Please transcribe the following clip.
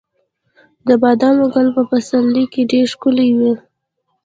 د بادامو ګل په پسرلي کې ډیر ښکلی وي.